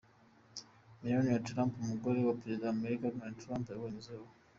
Melania Trump, umugore wa perezida wa Amerika Donald Trump yabonye izuba.